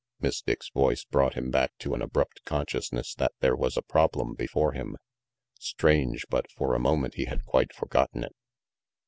Miss Dick's voice brought him back to an abrupt consciousness that there was a problem before him. Strange; but for a moment he had quite forgotten it.